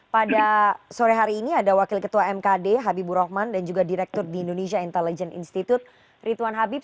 pada sore hari ini ada wakil ketua mkd habibur rahman dan juga direktur di indonesia intelligent institute rituan habib